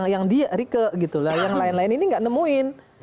yang dia rike yang lain lain ini tidak menemui